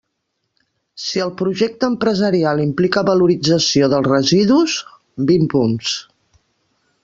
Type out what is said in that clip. Si el projecte empresarial implica valorització dels residus, vint punts.